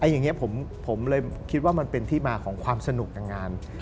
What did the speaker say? อย่างนี้ผมเลยคิดว่ามันเป็นที่มาของความสนุกทางงาน